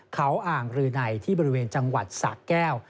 เขาอ่างรืนัยที่บริเวณจังหวัดสะแก้ว